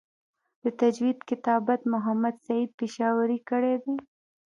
د تجوید کتابت محمد سعید پشاوری کړی دی.